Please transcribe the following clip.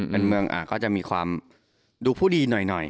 เป็นเมืองก็จะมีความดูผู้ดีหน่อย